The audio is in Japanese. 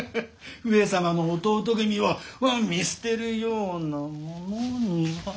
上様の弟君を見捨てるような者には。